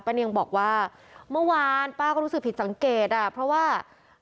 เนียงบอกว่าเมื่อวานป้าก็รู้สึกผิดสังเกตอ่ะเพราะว่า